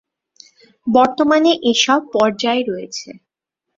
বর্তমানে এসব পর্যায় রয়েছেঃ